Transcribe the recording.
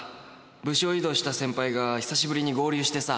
「部署異動した先輩が久しぶりに合流してさ！」